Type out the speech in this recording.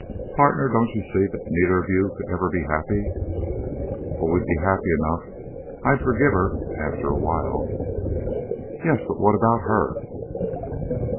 "Partner, don't you see that neither of you could ever be happy?" "Oh, we'd be happy enough. I'd forgive her after a while." "Yes, but what about her?"